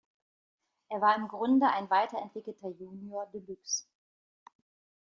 Er war im Grunde ein weiterentwickelter Junior de Luxe.